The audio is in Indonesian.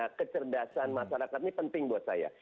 nah kecerdasan masyarakat ini penting buat saya